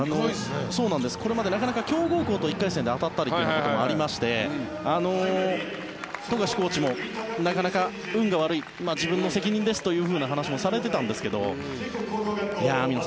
これまでなかなか強豪校と１回戦で当たったりということもありまして富樫コーチもなかなか運が悪い自分の責任ですという話をされていたんですが網野さん